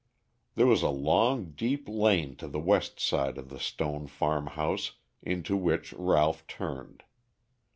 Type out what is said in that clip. There was a long, deep lane to the west side of the stone farmhouse, into which Ralph turned.